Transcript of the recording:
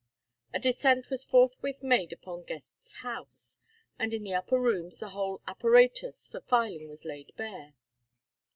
A descent was forthwith made upon Guest's house, and in the upper rooms the whole apparatus for filing was laid bare.